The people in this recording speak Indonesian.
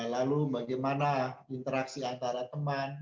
lalu bagaimana interaksi antara teman